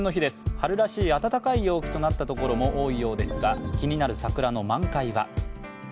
春らしい暖かい陽気となったところも多いようですが気になる桜の満開は？